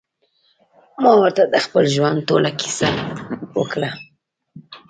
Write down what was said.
ما ورته د خپل ژوند ټوله کيسه وکړه.